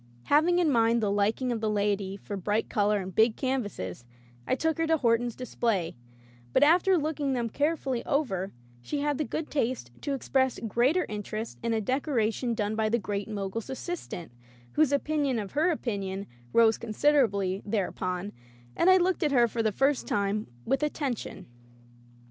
Having in mind the liking of the laity for bright color and big canvases I took her to Horton's display, but after looking them carefully over she had the good taste to ex press greater interest in a decoration done by the Great Mogul's assistant, whose opinion of her opinion rose considerably thereupon, and I looked at her for the first time with at tention.